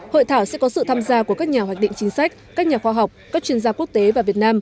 hội thảo sẽ có sự tham gia của các nhà hoạch định chính sách các nhà khoa học các chuyên gia quốc tế và việt nam